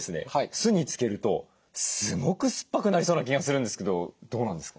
酢に漬けるとすごく酸っぱくなりそうな気がするんですけどどうなんですか？